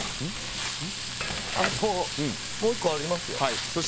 もう１個ありますよ。